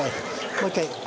もう１回。